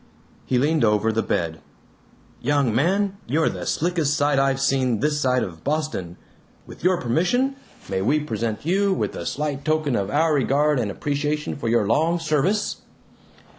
He leaned over the bed. "Young man, you're the slickest sight I've seen this side of Boston. With your permission, may we present you with a slight token of our regard and appreciation of your long service?"